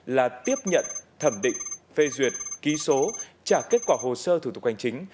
là tiếp nhận thẩm định phê duyệt ký số trả kết quả hồ sơ thủ tục hành chính